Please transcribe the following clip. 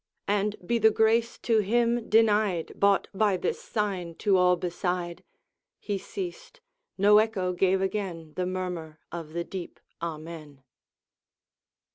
And be the grace to him denied, Bought by this sign to all beside! He ceased; no echo gave again The murmur of the deep Amen.